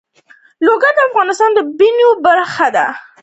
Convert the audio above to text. لوگر د افغانستان د بڼوالۍ برخه ده.